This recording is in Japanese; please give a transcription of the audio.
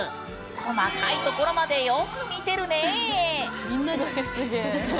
細かいところまでよく見てるね。